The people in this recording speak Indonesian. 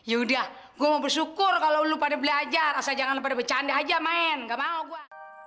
yaudah gue bersyukur kalau lu pada belajar asal jangan pada bercanda aja main gak mau gue